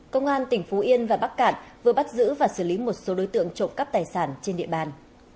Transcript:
công an tỉnh phú yên và bắc cạn vừa bắt giữ và xử lý một số đối tượng trộm cắp tài sản trên địa bàn